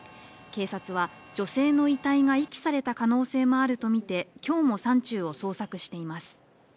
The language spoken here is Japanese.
警察は女性の遺体が遺棄された可能性もあるとみて今日も山中を捜索しています。